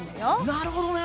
なるほどね！